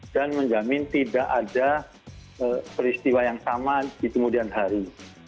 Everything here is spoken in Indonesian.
dan menjamin tidak ada peristiwa yang sama di kemudian hari